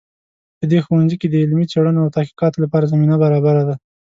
په دې ښوونځي کې د علمي څیړنو او تحقیقاتو لپاره زمینه برابره ده